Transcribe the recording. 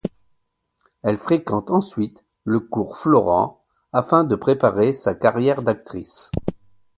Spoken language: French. Elle fréquente ensuite le Cours Florent afin de préparer sa carrière d'actrice.